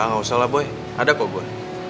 nggak usah lah boy ada kok gue